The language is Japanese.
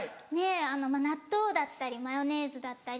納豆だったりマヨネーズだったり。